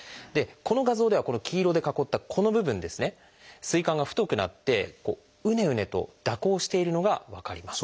この画像では黄色で囲ったこの部分膵管が太くなってうねうねと蛇行しているのが分かります。